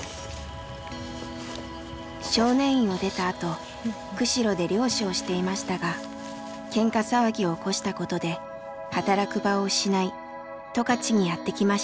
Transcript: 少年院を出たあと釧路で漁師をしていましたがケンカ騒ぎを起こしたことで働く場を失い十勝にやって来ました。